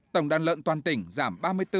tổng đàn lợn toàn tỉnh giảm ba mươi bốn